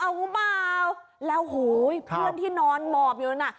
เอาหรือเปล่าแล้วโหยเพื่อนที่นอนหมอบอยู่นั้นน่ะ